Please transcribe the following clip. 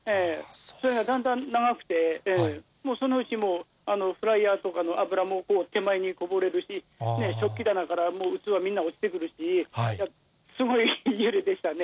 だんだん長くて、もうそのうちもう、フライヤーとかの油も手前にこぼれるし、食器棚からもう器、みんな落ちてくるし、すごい揺れでしたね。